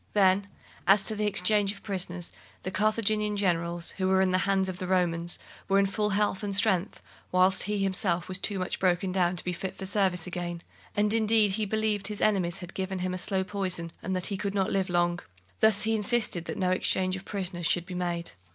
Then, as to the exchange of prisoners, the Carthaginian generals, who were in the hands of the Romans, were in full health and strength, whilst he himself was too much broken down to be fit for service again; and, indeed, he believed that his enemies had given him a slow poison, and that he could not live long. Thus he insisted that no exchange of prisoners should be made.